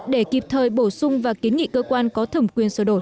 để kịp thời bổ sung và kiến nghị cơ quan có thẩm quyền sơ đột